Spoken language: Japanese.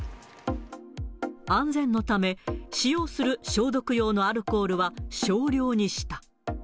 安全のため、使用する消毒用のアルコールは少量にした。